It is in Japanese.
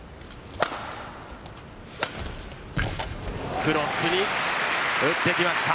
クロスに打ってきました。